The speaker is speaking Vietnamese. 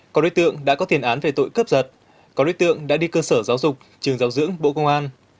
có đối tượng đã có tiền án về tội cướp giật có đối tượng đã đi cơ sở giáo dục trường giáo dưỡng bộ công an